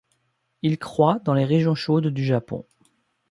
Il croît dans les régions chaudes du Japon.